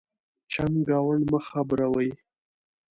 چمګاونډ مه خبرَوئ.